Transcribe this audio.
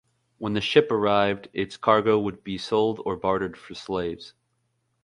When the ship arrived, its cargo would be sold or bartered for slaves.